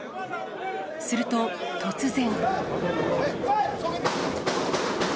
すると、突然。